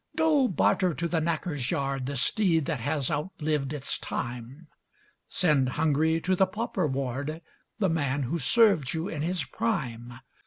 Go barter to the knacker's yard The steed that has outlived its time! Send hungry to the pauper ward The man who served you in his prime!